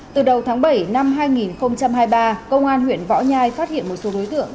từ đầu tháng bảy năm hai nghìn hai mươi ba công an huyện võ nhai phát hiện một số đối tượng